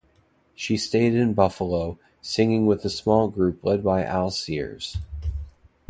She stayed in Buffalo, singing with a small group led by Al Sears.